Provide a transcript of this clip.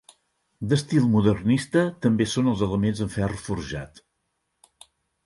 D’estil modernista també són els elements en ferro forjat.